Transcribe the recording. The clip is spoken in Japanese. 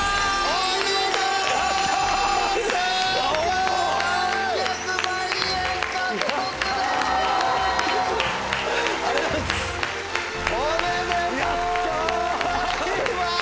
おめでとうございます！